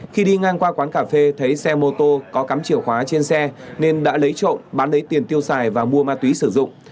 khi đi ngang qua quán cà phê thấy xe mô tô có cắm chìa khóa trên xe nên đã lấy trộm bán lấy tiền tiêu xài và mua ma túy sử dụng